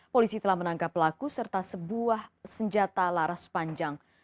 polisi telah menangkap pelaku serta sebuah senjata laras panjang